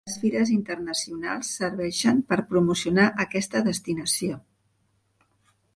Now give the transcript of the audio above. Les fires internacionals serveixen per promocionar aquesta destinació.